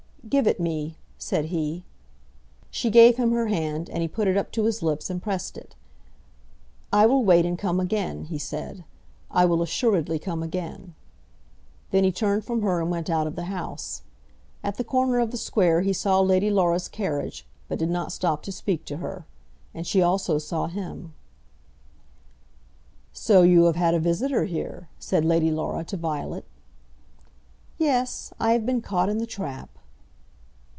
"Give it me," said he. She gave him her hand, and he put it up to his lips and pressed it. "I will wait and come again," he said. "I will assuredly come again." Then he turned from her and went out of the house. At the corner of the square he saw Lady Laura's carriage, but did not stop to speak to her. And she also saw him. "So you have had a visitor here," said Lady Laura to Violet. "Yes; I have been caught in the trap."